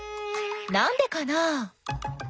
なんでかな？